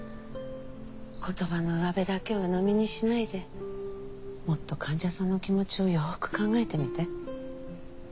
言葉のうわべだけを鵜呑みにしないでもっと患者さんの気持ちをよく考えてみて。